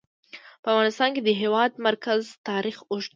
په افغانستان کې د د هېواد مرکز تاریخ اوږد دی.